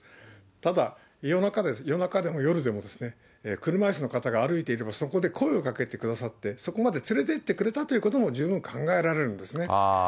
ただ夜中です、夜中でも夜でも、車いすの方が歩いていれば、そこで声をかけてくださって、そこまで連れていってくれたということも十分考えられるんですね。